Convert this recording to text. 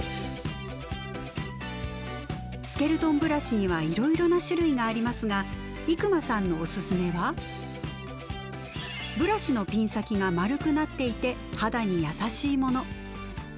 スケルトンブラシにはいろいろな種類がありますが伊熊さんのおすすめはブラシのピン先が丸くなっていて肌に優しいもの。